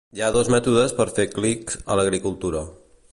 Hi ha dos mètodes per fer clic a l'agricultura.